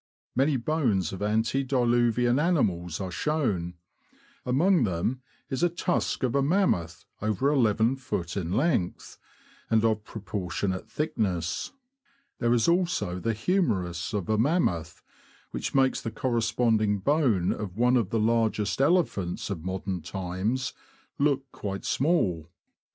Many bones of antediluvian animals are shown ; among them is a tusk of a mammoth, over lift, in length, and of pro portionate thickness. There is also the humerus of a mammoth, which makes the corresponding bone of one of the largest elephants of modern times look quite small.